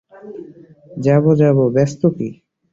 যাব যাব, ব্যস্ত কী।